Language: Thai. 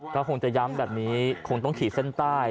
ก็คงจะย้ำแบบนี้คงต้องขีดเส้นใต้